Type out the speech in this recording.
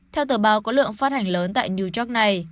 theo tờ báo có lượng phát hành lớn tại new york này